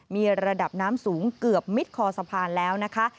มีระดับน้ำสูงเกือบมิดคอสะพานแล้วนะคะ